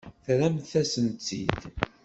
Terramt-asen-tt-id.